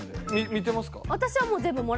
見てますか？